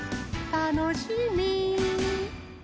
たのしみ。